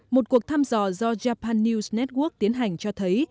một cuộc thăm dò do japan news network tiến hành cho thấy